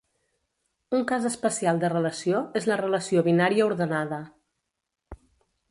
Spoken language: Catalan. Un cas especial de relació és la relació binària ordenada.